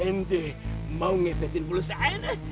anda mau menyerah sama ana